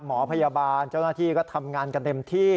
หมอพยาบาลเจ้าหน้าที่ก็ทำงานกันเต็มที่